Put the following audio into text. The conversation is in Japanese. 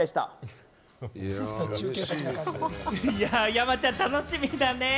山ちゃん、楽しみだね。